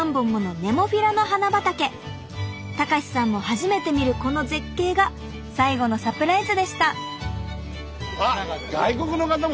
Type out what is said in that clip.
隆さんも初めて見るこの絶景が最後のサプライズでした！